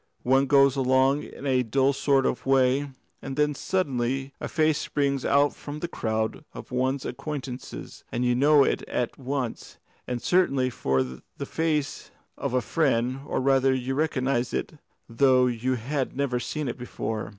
"One goes along in a dull sort of way, and then suddenly a face springs out from the crowd of one's acquaintances, and you know it at once and certainly for the face of a friend, or rather you recognise it, though you have never seen it before.